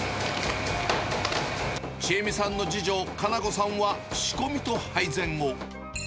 智恵美さんの次女、香菜子さんは仕込みと配膳を。